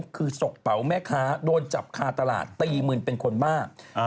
คือสกเป๋าแม่ค้าโดนจับคาตลาดตีมึนเป็นคนบ้า